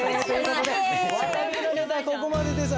ここまでです。